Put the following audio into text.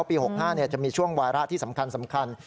เพราะปี๑๙๖๕จะมีช่วงวาระที่สำคัญ